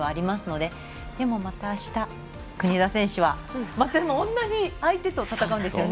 でも、またあした国枝選手は同じ相手と戦うんですよね。